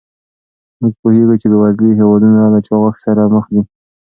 موږ پوهیږو چې بې وزلي هېوادونه له چاغښت سره مخ دي.